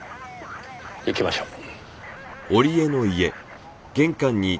行きましょう。